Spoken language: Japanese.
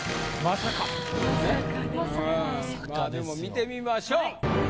まぁでも見てみましょう。